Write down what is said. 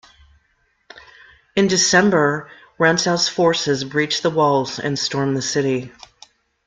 In December, Rantzau's forces breached the walls and stormed the city.